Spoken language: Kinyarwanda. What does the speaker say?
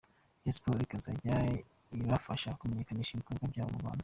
Rayon Sport ikazajya ibafasha kumenyekanisha ibikorwa byabo mu Rwanda.